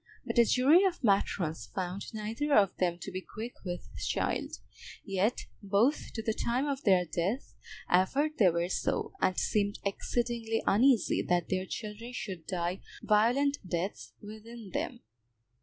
But a jury of matrons found neither of them to be quick with child; yet both to the time of their death averred they were so, and seemed exceedingly uneasy that their children should die violent deaths within them.